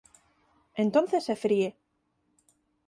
Entonces se fríe.